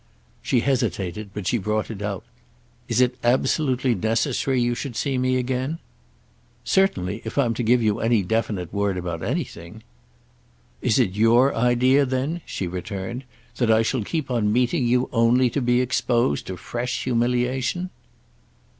She hesitated, but she brought it out. "Is it absolutely necessary you should see me again?" "Certainly, if I'm to give you any definite word about anything." "Is it your idea then," she returned, "that I shall keep on meeting you only to be exposed to fresh humiliation?"